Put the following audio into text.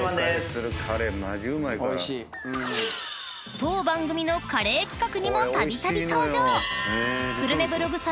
［当番組のカレー企画にもたびたび登場］